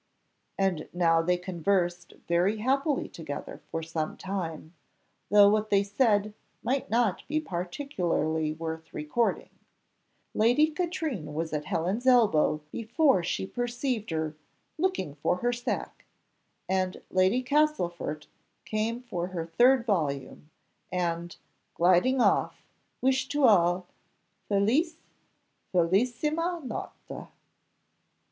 And now they conversed very happily together for some time; though what they said might not be particularly worth recording. Lady Katrine was at Helen's elbow before she perceived her "looking for her sac;" and Lady Castlefort came for her third volume, and gliding off, wished to all "Felice, felicissima notte."